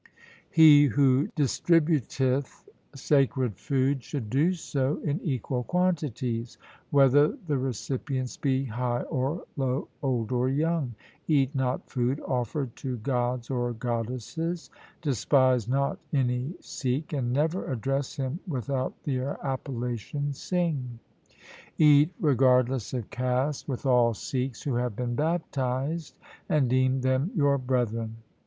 He who distributeth sacred food should do so in equal quantities, whether the recipients be high or low, old or young. Eat not food offered to gods or goddesses. Despise not any Sikh, and never address him without the ap pellation Singh. Eat regardless of caste with all Sikhs who have been baptized, and deem them your brethren.